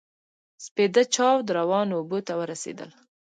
سپېده چاود روانو اوبو ته ورسېدل.